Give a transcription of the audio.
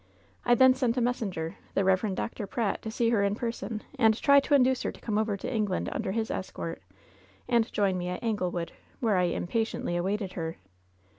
I then sent a messenger, the Eev. Dr. Pratt, to see her in person, and try to iiiduce her to come over to England under his escort and join me at Anglewood, where I impatiently awaited her.